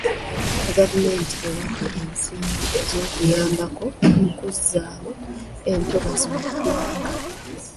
Gavumenti ewadde ensimbi ez'okuyambako mu kuzzaawo entobazi mu ggwanga.